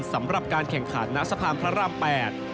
สำหรับการแข่งขันณสะพานพระราม๘